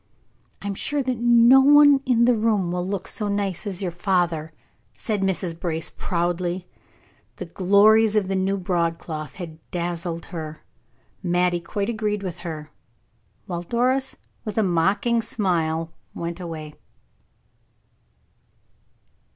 "I am sure that no one in the room will look so nice as your father," said Mrs. Brace, proudly; the glories of the new broadcloth had dazzled her. Mattie quite agreed with her, while Doris, with a mocking smile, went away.